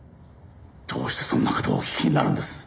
どうしてそんな事をお聞きになるんです？